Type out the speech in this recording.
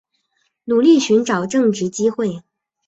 努力寻找正职机会